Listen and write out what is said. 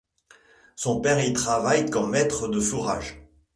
Son père y travaille comme maître de fourrage.